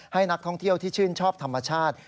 ให้นักท่องเที่ยวที่ชื่นชอบธรรมชาติ